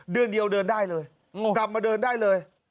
เดือนเดียวเดินได้เลยกลับมาเดินได้เลย